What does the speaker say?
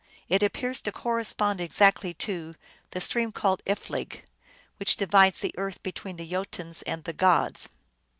It appears to correspond ex actly to " the stream called Ifiiig, which divides the earth between the Jotuns and the Gods."